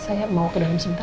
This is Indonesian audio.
saya mau ke dalam sini